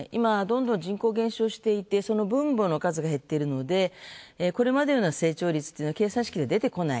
今、人口が減少して分母の数が減っているのでこれまでのような成長率というのは計算式で出てこない。